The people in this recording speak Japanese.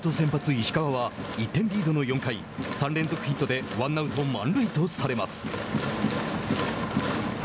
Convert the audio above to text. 石川は１点リードの４回３連続ヒットでワンアウト、満塁とされます。